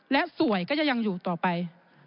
และสวยก็จะยังอยู่ต่อไป